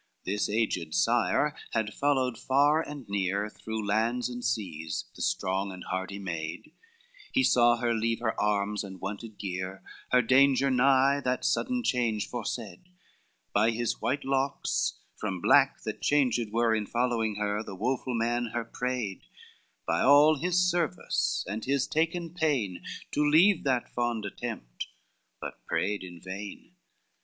XIX This aged sire had followed far and near, Through lands and seas, the strong and hardy maid, He saw her leave her arms and wonted gear, Her danger nigh that sudden change foresaid: By his white locks from black that changed were In following her, the woful man her prayed, By all his service and his taken pain, To leave that fond attempt, but prayed in vain.